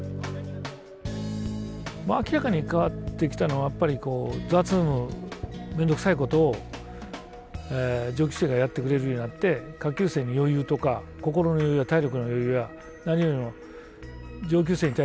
明らかに変わってきたのは雑務面倒くさいことを上級生がやってくれるようになって下級生に余裕とか心の余裕や体力の余裕や何よりも上級生に対する親しみをね